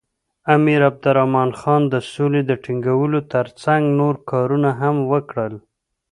امیر عبدالرحمن خان د سولې ټینګولو تر څنګ نور کارونه هم وکړل.